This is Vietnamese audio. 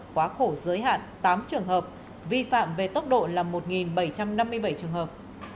quá khổ giới hạn tám trường hợp vi phạm về tốc độ là một bảy trăm năm mươi bảy trường hợp